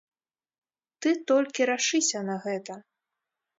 Ты толькі рашыся на гэта!